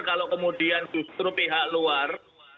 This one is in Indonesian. kalau kemudian justru pihak luar